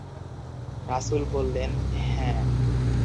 রাসুল বলেলন, হ্যা।